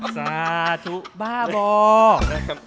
สาธุบ้าบอก